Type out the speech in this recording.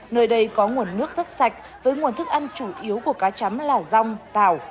nơi đây có nguồn nước rất sạch với nguồn thức ăn chủ yếu của cá chắm là rong tảo